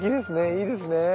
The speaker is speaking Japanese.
いいですね。